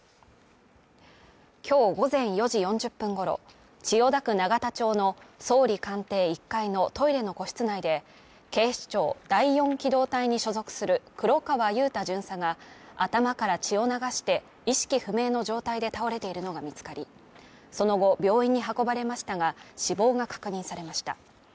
今日午前４時４０分ごろ、千代田区永田町の総理官邸１階のトイレの個室内で警視庁第４機動隊に所属する黒川優太巡査が頭から血を流して意識不明の状態で倒れているのが見つかり、その後病院に運ばれましたが死亡が確認されました。